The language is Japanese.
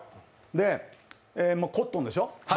で、コットンでしょ。